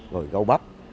rồi gâu bắp